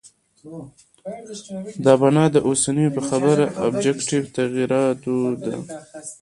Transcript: دا بنا د اوسنو په خبره آبجکټیف تغییراتو ده.